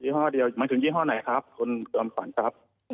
ยี่ห้อเดียวมันถึงยี่ห้อไหนครับคุณตัวผ่านทรัพย์